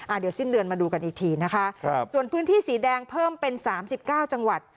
อ่าเดี๋ยวสิ้นเดือนมาดูกันอีกทีนะคะส่วนพื้นที่สีแดงเพิ่มเป็น๓๙จังหวัด